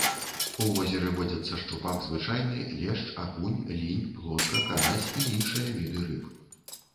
У возеры водзяцца шчупак звычайны, лешч, акунь, лінь, плотка, карась і іншыя віды рыб.